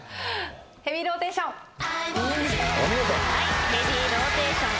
『ヘビーローテーション』お見事！